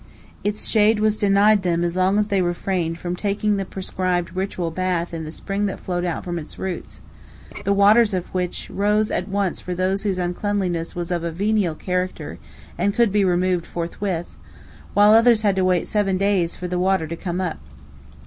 Its shade was denied them as long as they refrained from taking the prescribed ritual bath in the spring that flowed out from its roots, the waters of which rose at once for those whose uncleanness was of a venial character and could be removed forthwith, while others had to wait seven days for the water to come up.